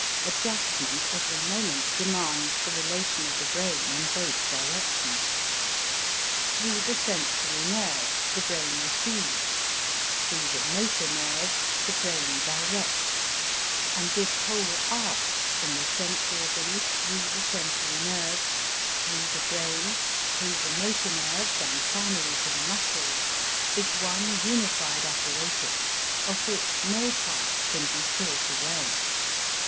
Adjustment every moment demands the relation of the brain in both directions. Through the sensory nerves the brain receives; through the motor nerves the brain directs, and this whole arc from the sense organs through the sensory nerves, through the brain, through the motor nerves and finally to the muscles, is one unified apparatus of which no part can be thought away.